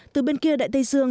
từ bên kia đại tây dương